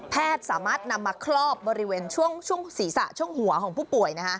สามารถนำมาครอบบริเวณช่วงศีรษะช่วงหัวของผู้ป่วย